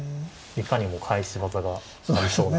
いかにも返し技がありそうな。